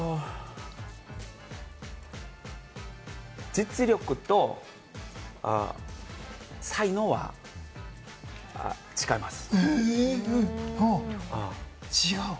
実力と才能は違います。